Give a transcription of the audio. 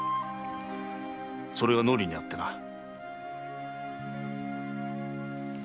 それが脳裏にあってな。